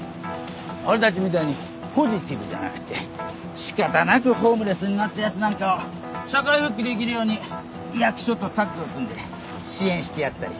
俺たちみたいにポジティブじゃなくて仕方なくホームレスになったやつなんかを社会復帰できるように役所とタッグを組んで支援してやったり。